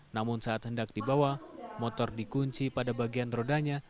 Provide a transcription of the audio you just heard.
namun saat hendak dibawa motor dikunci pada bagian rodanya